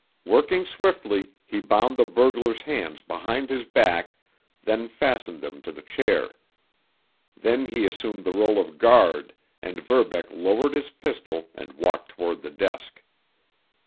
Working swiftly, he bound the burglar's hands behind his back, then fastened them to the chair. Then he assumed the rôle of guard, and Verbeck lowered his pistol and walked toward the desk.